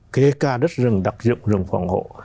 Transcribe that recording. kể cả đất rừng đặc dựng rừng phòng hộ